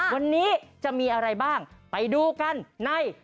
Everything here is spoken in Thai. วันนี้จะมีอะไรบ้างไปดูกันใน